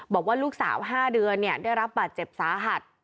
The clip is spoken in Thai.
บอกว่าลูกสาว๕เดือนได้รับบาดเจ็บสาหัส